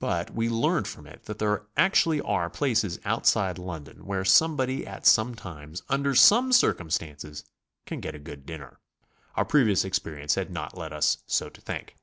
But we learned from it that there actually are places outside London where somebody at some times under some circum stances can get a good dinner. Our previous experience had not led us so to think.